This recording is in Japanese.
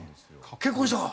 結婚したか？